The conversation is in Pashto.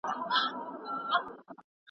قرباني ورکول د کورنۍ د پلار دنده ده.